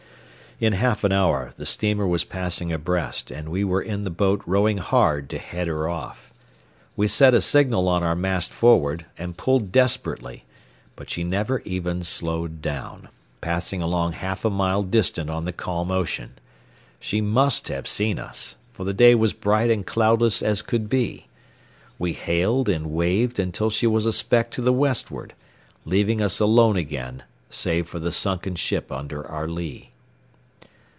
In half an hour the steamer was passing abreast, and we were in the boat rowing hard to head her off. We set a signal on our mast forward, and pulled desperately, but she never even slowed down, passing along half a mile distant on the calm ocean. She must have seen us, for the day was bright and cloudless as could be. We hailed and waved until she was a speck to the westward, leaving us alone again save for the sunken ship under our lee.